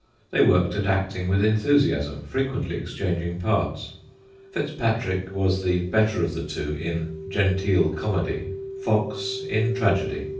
They worked at acting with enthusiasm, frequently exchanging parts. FitzPatrick was the better of the two in ' genteel comedy/ Fox in tragedy.